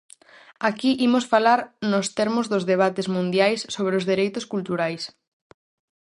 Aquí imos falar nos termos dos debates mundiais sobre os dereitos culturais.